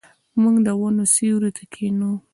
موږ د ونو سیوري ته کښینو.